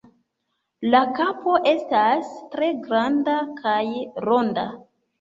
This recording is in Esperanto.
La kapo estas tre granda kaj ronda.